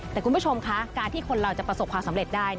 แต่คุณผู้ชมคะการที่คนเราจะประสบความสำเร็จได้